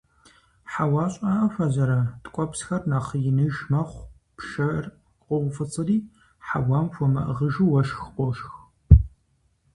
Хьэуа щӀыӀэ хуэзэрэ – ткӀуэпсхэр нэхъ иныж мэхъу, пшэр къоуфӀыцӀри, хьэуам хуэмыӀыгъыжу уэшх къошх.